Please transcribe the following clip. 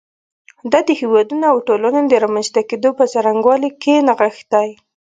دا د هېوادونو او ټولنو د رامنځته کېدو په څرنګوالي کې نغښتی.